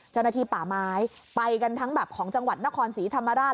เจ้าหน้าที่ป่าไม้ไปกันทั้งแบบของจังหวัดนครศรีธรรมราช